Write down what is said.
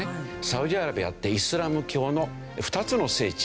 サウジアラビアってイスラム教の２つの聖地